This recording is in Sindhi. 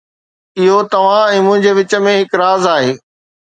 اهو توهان ۽ منهنجي وچ ۾ هڪ راز آهي